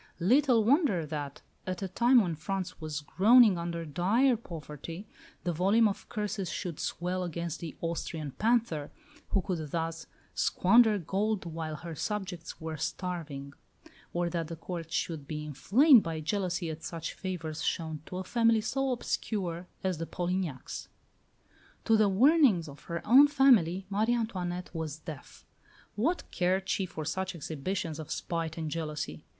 Little wonder that, at a time when France was groaning under dire poverty, the volume of curses should swell against the "Austrian panther," who could thus squander gold while her subjects were starving; or that the Court should be inflamed by jealousy at such favours shown to a family so obscure as the Polignacs. To the warnings of her own family Marie Antoinette was deaf. What cared she for such exhibitions of spite and jealousy?